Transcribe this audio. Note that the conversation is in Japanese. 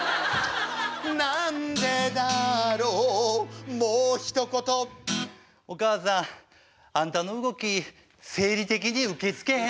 なんでだろうもうひと言「お母さんあんたの動き生理的に受け付けへん」。